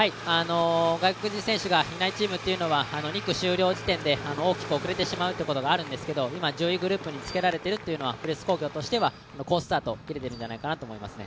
外国人選手がいないチームというのは２区終了時点で大きく遅れてしまうことがあるんですけども、今１０位グループにつけられているのはプレス工業としては好スタートを切れているんじゃないかなと思いますね。